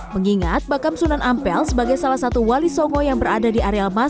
mengingat bakam sunan ampel sebagai salah satu wali songo yang berada di areal masjid